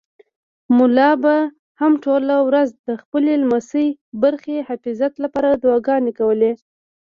ملا به هم ټوله ورځ د خپلې لسمې برخې حفاظت لپاره دعاګانې کولې.